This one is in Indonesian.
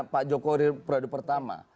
pak joko ridho periode pertama